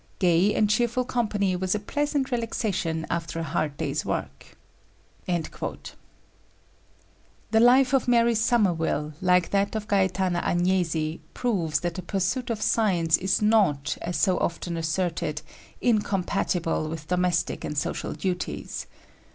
Gay and cheerful company was a pleasant relaxation after a hard day's work." The life of Mary Somerville, like that of Gaetana Agnesi, proves that the pursuit of science is not, as so often asserted, incompatible with domestic and social duties.